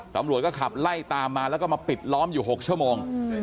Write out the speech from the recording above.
ตำรวจก็ขับไล่ตามมาแล้วก็มาปิดล้อมอยู่๖ชั่วโมง